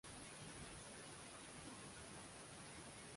পেটের নিচের দিকটা হালকা সাদা রঙের।